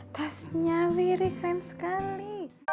tasnya wiri keren sekali